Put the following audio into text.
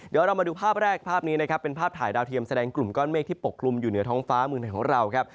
เดี๋ยวเรามาดูภาพแรกภาพนี้นะครับเป็นภาพถ่ายดาวเทียมแสดงกลุ่มก้อนเมฆที่ปกคลุมอยู่เหนือท้องฟ้าเมืองไทยของเราครับ